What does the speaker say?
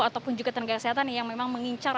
ataupun juga tenaga kesehatan yang memang mengincar